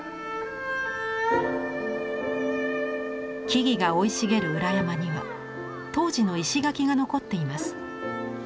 木々が生い茂る裏山には当時の石垣が残っています。